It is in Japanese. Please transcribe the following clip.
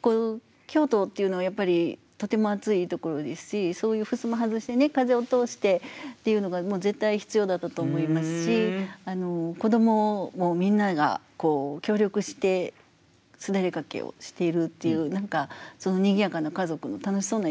こういう京都っていうのはやっぱりとても暑いところですしそういうふすま外してね風を通してっていうのが絶対必要だったと思いますし子どももみんなが協力して簾掛けをしているっていう何かそんなお句ですね。